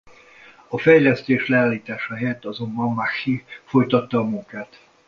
A fejlesztés leállítása helyett azonban a Macchi folytatta a munkát.